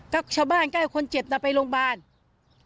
ก็ชาวบ้านก็ให้คนเจ็บน่ะไปโรงพยาบาล